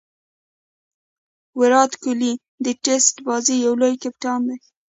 ویرات کهولي د ټېسټ بازي یو لوی کپتان دئ.